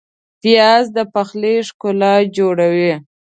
پیاز د پخلي ښکلا جوړوي